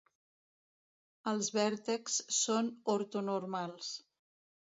Els vèrtexs són ortonormals.